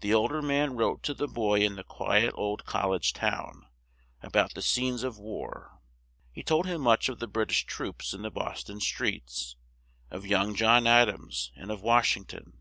The old er man wrote to the boy in the qui et old col lege town, a bout the scenes of war; he told him much of the Brit ish troops in the Bos ton streets, of young John Ad ams and of Wash ing ton.